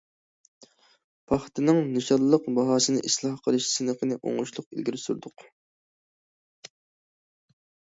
پاختىنىڭ نىشانلىق باھاسىنى ئىسلاھ قىلىش سىنىقىنى ئوڭۇشلۇق ئىلگىرى سۈردۇق.